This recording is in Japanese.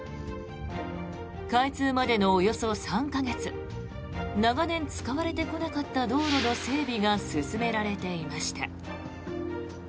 開通までのおよそ３か月長年使われてこなかった道路の整備が進められていました。